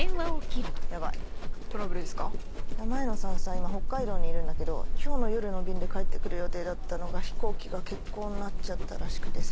今北海道にいるんだけど今日の夜の便で帰ってくる予定だったのが飛行機が欠航になっちゃったらしくてさ。